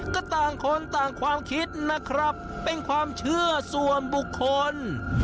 ก็ต่างคนต่างความคิดนะครับเป็นความเชื่อส่วนบุคคล